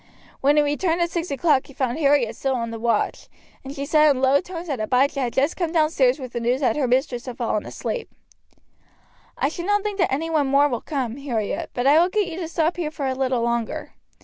When he returned at six o'clock he found Harriet still on the watch, and she said in low tones that Abijah had just come downstairs with the news that her mistress had fallen asleep. "I should not think any one more will come, Harriet, but I will get you to stop here for a little longer.